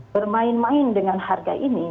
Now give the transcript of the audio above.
bermain main dengan harga ini